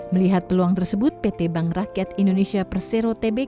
melihat peluang tersebut pt bank rakyat indonesia persero tbk